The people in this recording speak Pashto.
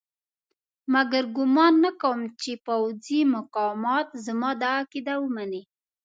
مګر زه ګومان نه کوم چې پوځي مقامات زما دا عقیده ومني.